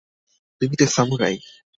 তুমি তো সামুরাই!